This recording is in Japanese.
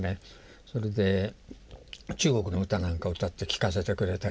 それで中国の歌なんかを歌って聞かせてくれたりですね。